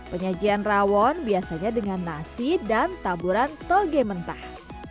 penyajian rawon biasanya dengan nasi dan taburan toge mentah